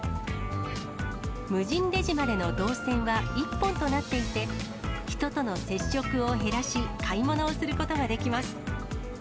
無人レジまでの動線は１本となっていて、人との接触を減らし、買い物をすることができます。